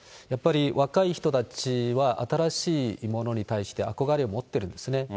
やっぱり、若い人たちは新しいものに対して憧れ持ってるんですね。